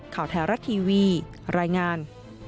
ข่าวแท้รัฐทีวีรายงาน